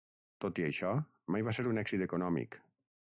Tot i això, mai va ser un èxit econòmic.